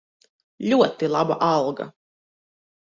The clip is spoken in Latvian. Ļoti laba alga.